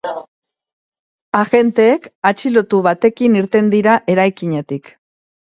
Agenteek atxilotu batekin irten dira eraikinetik.